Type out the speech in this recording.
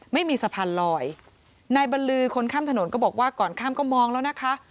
ไม่มีสะพานลอยนายบรรลือคนข้ามถนนก็บอกว่าก่อนข้ามก็มองแล้วนะคะ